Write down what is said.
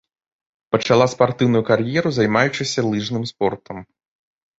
Пачала спартыўную кар'еру, займаючыся лыжным спортам.